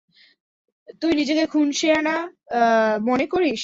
তুই নিজেকে খুন সেয়ানা মনে করিস।